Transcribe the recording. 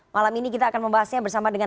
malam ini kita akan membahasnya bersama dengan